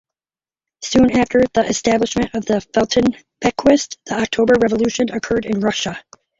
Soon after the establishment of the Felton Bequest, the October Revolution occurred in Russia.